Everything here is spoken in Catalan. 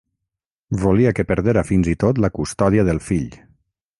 Volia que perdera fins i tot la custòdia del fill.